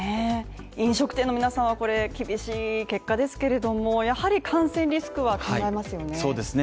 飲食店の皆さんはこれ厳しい結果ですけれどもやはり感染リスクは考えますよね